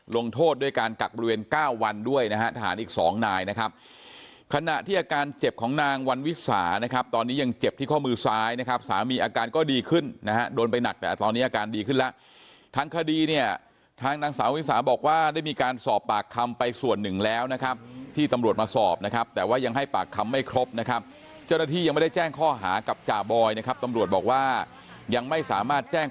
ลงโทษด้วยการกัดบริเวณ๙วันด้วยนะฮะทหารอีก๒นายนะครับขณะที่อาการเจ็บของนางวันวิสานะครับตอนนี้ยังเจ็บที่ข้อมือซ้ายนะครับสามีอาการก็ดีขึ้นนะโดนไปหนักแต่ตอนนี้อาการดีขึ้นแล้วทั้งคดีเนี่ยทางนางสาวิสาบอกว่าได้มีการสอบปากคำไปส่วนหนึ่งแล้วนะครับที่ตำรวจมาสอบนะครับแต่ว่ายังให้ปากคำ